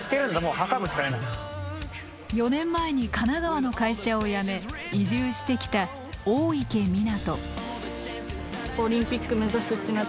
４年前に神奈川の会社を辞め移住してきた大池水杜。